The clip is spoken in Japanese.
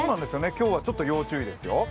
今日はちょっと要注意ですよ。